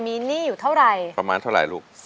มีหนี้อยู่เท่าไหร่ประมาณเท่าไหร่ลูก